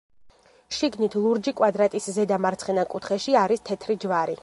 შიგნით ლურჯი კვადრატის ზედა მარცხენა კუთხეში არის თეთრი ჯვარი.